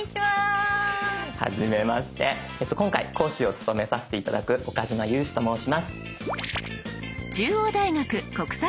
はじめまして今回講師を務めさせて頂く岡嶋裕史と申します。